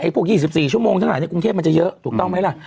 พวก๒๔ชั่วโมงทั้งหลายในกรุงเทพมันจะเยอะถูกต้องไหมล่ะ